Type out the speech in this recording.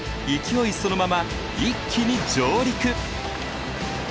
そのまま一気に上陸。